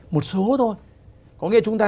một số thôi có nghĩa chúng ta